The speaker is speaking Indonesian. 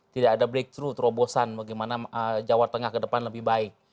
tidak ada breakthroug terobosan bagaimana jawa tengah ke depan lebih baik